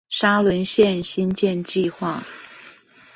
沙崙線興建計畫